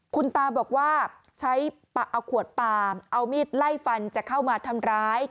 คุณตาบอกว่าใช้เอาขวดปามเอามีดไล่ฟันจะเข้ามาทำร้าย